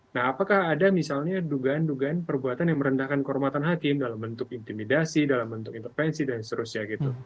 nah apakah ada misalnya dugaan dugaan perbuatan yang merendahkan kehormatan hakim dalam bentuk intimidasi dalam bentuk intervensi dan seterusnya gitu